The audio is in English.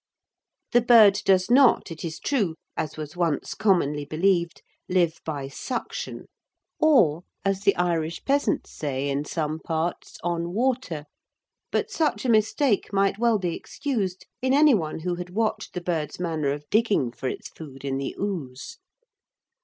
The bird does not, it is true, as was once commonly believed, live by suction, or, as the Irish peasants say in some parts, on water, but such a mistake might well be excused in anyone who had watched the bird's manner of digging for its food in the ooze.